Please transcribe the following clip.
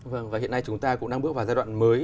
vâng và hiện nay chúng ta cũng đang bước vào giai đoạn mới